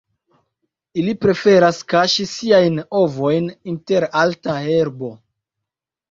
Ili preferas kaŝi siajn ovojn inter alta herbo.